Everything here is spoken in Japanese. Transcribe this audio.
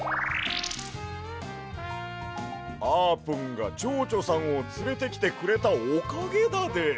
あーぷんがちょうちょさんをつれてきてくれたおかげだで。